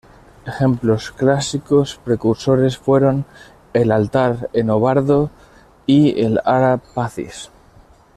Ejemplos clásicos precursores fueron, el "Altar Enobarbo" y el "Ara Pacis".